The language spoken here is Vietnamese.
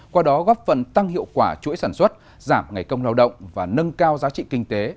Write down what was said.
qua đó góp phần tăng hiệu quả chuỗi sản xuất giảm ngày công lao động và nâng cao giá trị kinh tế